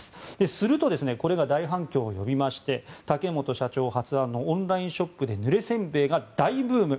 するとこれが大反響を呼びまして竹本社長発案のオンラインショップでぬれ煎餅が大ブーム。